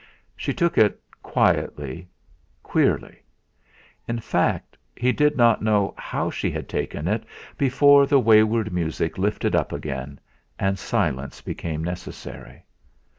She took it quietly, queerly; in fact, he did not know how she had taken it before the wayward music lifted up again and silence became necessary.